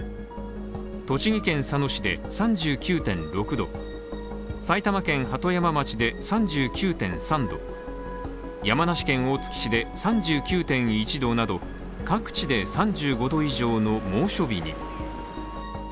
栃木県佐野市で３９．６度、埼玉県鳩山町で３９．３度山梨県大月市で３９．１度など各地で３５度以上の猛暑日に。